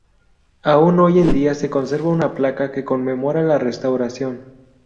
Aún hoy en día se conserva una placa que conmemora la restauración.